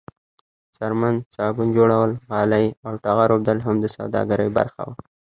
څرمن، صابون جوړول، غالۍ او ټغر اوبدل هم د سوداګرۍ برخه وه.